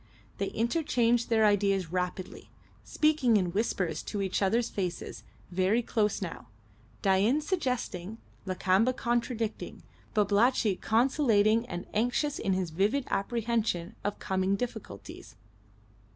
They interchanged their ideas rapidly, speaking in whispers into each other's faces, very close now, Dain suggesting, Lakamba contradicting, Babalatchi conciliating and anxious in his vivid apprehension of coming difficulties.